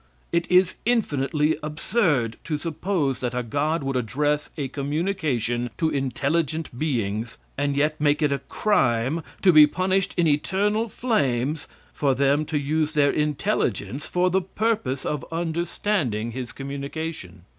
It is infinitely absurd to suppose that a god would address a communication to intelligent beings, and yet make it a crime, to be punished in eternal flames for them to use their intelligence for the purpose of understanding his communication.